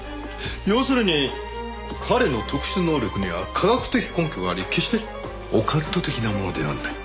要するに彼の特殊能力には科学的根拠があり決してオカルト的なものではない。